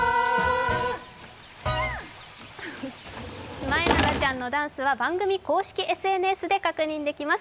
シマエナガちゃんのダンスは番組公式ＳＮＳで確認できます。